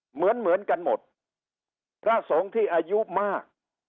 เหมือนเหมือนกันหมดพระสงฆ์ที่อายุมาก